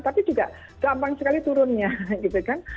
tapi juga gampang sekali turunnya gitu kan